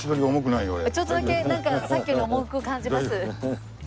ちょっとだけなんかさっきより重く感じます。